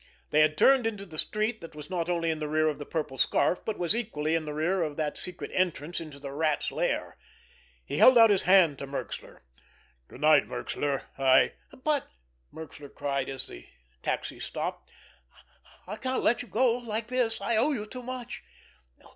They had turned into the street that was not only in the rear of The Purple Scarf, but was equally in the rear of that secret entrance into the Rat's lair. He held out his hand to Merxler. "Good night, Merxler—I——" "But," Merxler cried, as the taxi stopped, "I can't let you go like this! I owe you too much.